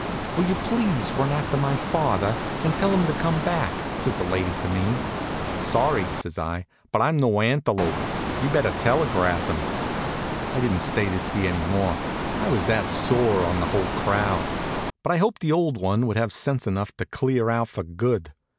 "Will you please run after my father and tell him to come back," says the lady to me. "Sorry," says I, "but I'm no antelope. You'd better telegraph him." I didn't stay to see any more, I was that sore on the whole crowd. But I hoped the old one would have sense enough to clear out for good.